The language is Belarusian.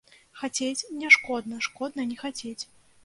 Хацець не шкодна, шкодна не хацець.